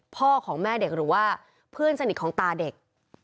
พ่อของแม่เด็กหรือว่าเพื่อนสนิทของตาเด็ก